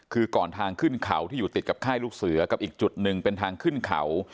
คือก่อนทางขึ้นเขาที่อยู่ติดกับค่ายลูกเสือกับอีกจุดหนึ่งเป็นทางขึ้นเขา